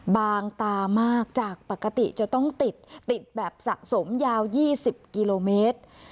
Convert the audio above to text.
บางตามากจากปกติจะต้องติดติดแบบสะสมยาว๒๐กิโลเมตร